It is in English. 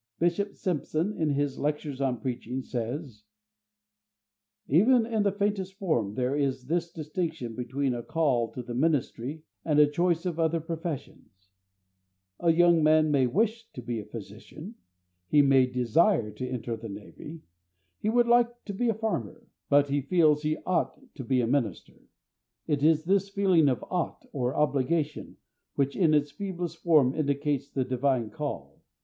Bishop Simpson, in his "Lectures on Preaching," says: "Even in its faintest form there is this distinction between a call to the ministry and a choice of other professions: a young man may wish to be a physician; he may desire to enter the navy; he would like to be a farmer; but he feels he ought to be a minister. It is this feeling of ought, or obligation, which in its feeblest form indicates the Divine call.